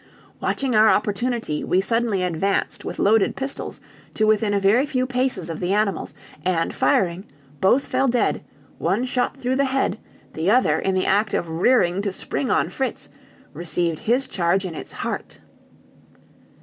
Watching our opportunity, we suddenly advanced with loaded pistols to within a very few paces of the animals, and firing, both fell dead, one shot through the head, the other, in the act of rearing to spring on Fritz, received his charge in its heart.